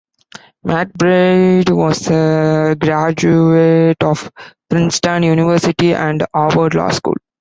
MacBride was a graduate of Princeton University and Harvard Law School.